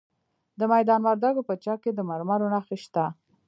د میدان وردګو په چک کې د مرمرو نښې شته.